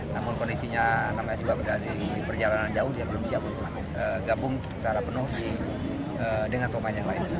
namun kondisinya namanya juga berada di perjalanan jauh dia belum siap untuk gabung secara penuh dengan pemain yang lain